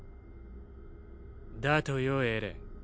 だとよエレン。